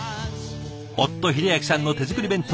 夫英明さんの手作り弁当。